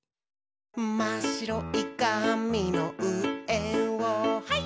「まっしろいかみのうえをハイ！」